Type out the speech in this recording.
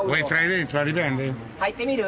入ってみる？